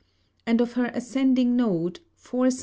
And of her ascending Node, 4 S.